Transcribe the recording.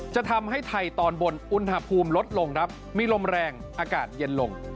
จะทำให้ไทยตอนบนอุณหภูมิลดลงครับมีลมแรงอากาศเย็นลง